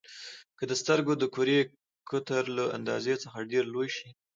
که د سترګو د کرې قطر له اندازې څخه ډېر لوی شي.